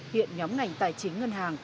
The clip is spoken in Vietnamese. hiện nhóm ngành tài chính ngân hàng